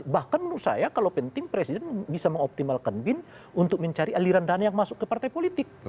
bahkan menurut saya kalau penting presiden bisa mengoptimalkan bin untuk mencari aliran dana yang masuk ke partai politik